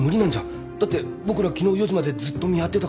だって僕ら昨日４時までずっと見張ってたから。